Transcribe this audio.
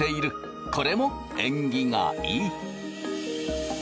これも縁起がいい！